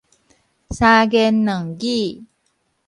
三言兩語